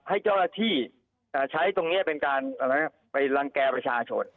ให้เจ้าหน้าที่ใช้ตรงนี้เป็นการไปรังแก่ประชาชน